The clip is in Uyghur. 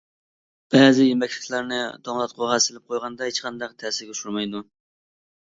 بەزى يېمەكلىكلەرنى توڭلاتقۇغا سېلىپ قويغاندا ھېچقانداق تەسىرگە ئۇچرىمايدۇ.